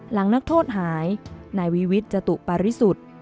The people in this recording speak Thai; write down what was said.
หลังนักโทษหายนายวิวิสจตุปริสุทธิ์